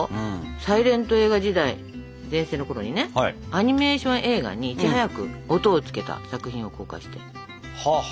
サイレント映画時代全盛のころにねアニメーション映画にいち早く音をつけた作品を公開して全米で大ヒットしたという。